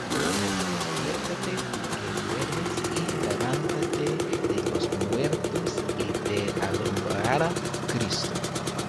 Despiértate, tú que duermes, y levántate de los muertos, y te alumbrará Cristo.